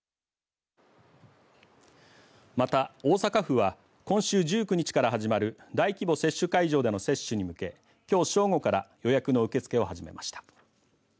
また、大阪府は今週１９日から始まる大規模接種会場での接種に向け、きょう正午から予約の受け付けを始めました。